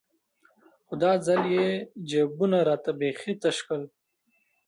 خو دا ځل يې جيبونه راته بيخي تش كړل.